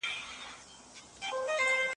پاچاهان یو په ټولۍ کي د سیالانو